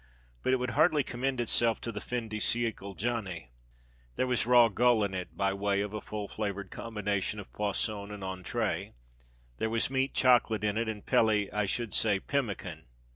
But it would hardly commend itself to the fin de siècle "Johnny." There was raw gull in it, by way of a full flavoured combination of poisson and entrée; there was meat chocolate in it, and peli I should say, pemmican.